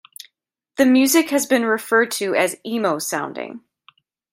The music has been referred to as Emo sounding.